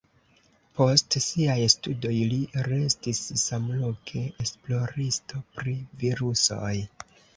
Post siaj studoj li restis samloke esploristo pri virusoj.